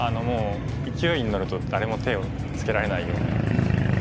勢いに乗ると誰も手をつけられないような。